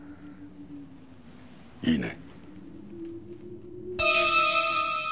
いいね。